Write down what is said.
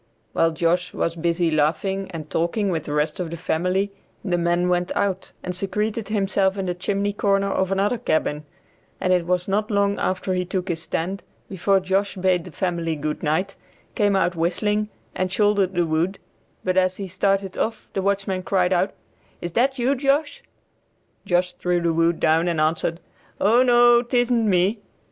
While Josh was busy laughing and talking with the rest of the family the man went out, and secreted himself in the chimney corner of another cabin, and it was not long after he took his stand before Josh bade the family good night, came out whistling, and shouldered the wood, but as he started off the watchman cried out, "Is that you, Josh?" Josh threw the wood down and answered, "O no, tisn't me."